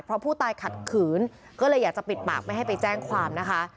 เพราะผู้ตายขัดขืนก็เลยอยากจะปิดปากไม่ให้ไปแจ้งความนะคะ